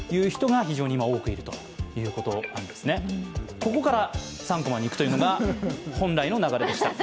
ここから「３コマ」にいくというのが本来の流れでした。